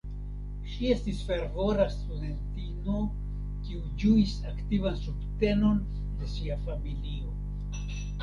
Ŝi estis fervora studentino kiu ĝuis aktivan subtenon de sia familio.